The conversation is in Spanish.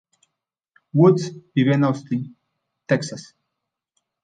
Woods vive en Austin, Texas.